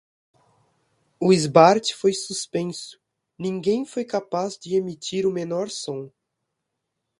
O esbart foi suspenso, ninguém foi capaz de emitir o menor som.